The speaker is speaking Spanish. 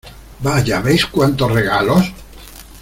¡ Vaya, veis cuántos regalos!